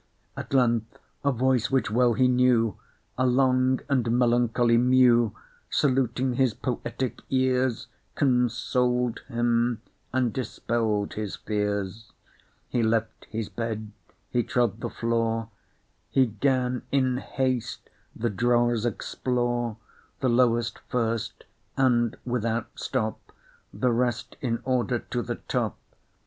At length a voice which well he knew, A long and melancholy mew, Saluting his poetic ears, Consoled him and dispell'd his fears: He left his bed, he trod the floor, He 'gan in haste the drawers explore, The lowest first, and without stop The rest in order to the top.